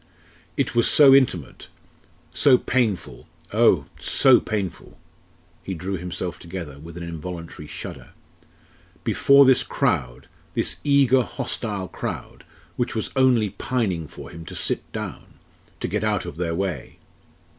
It was so intimate so painful oh! so painful!" he drew himself together with an involuntary shudder "before this crowd, this eager hostile crowd which was only pining for him to sit down to get out of their way.